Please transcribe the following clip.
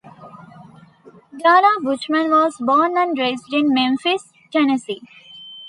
Dana Buchman was born and raised in Memphis, Tennessee.